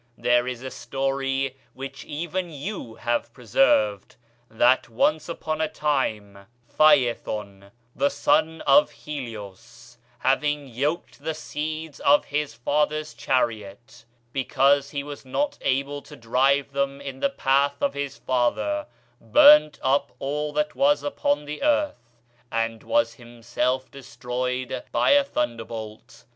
There is a story which even you have preserved, that once upon a time Phaëthon, the son of Helios, having yoked the steeds in his father's chariot, because he was not able to drive them in the path of his father, burnt up all that was upon the earth, and was himself destroyed by a thunderbolt.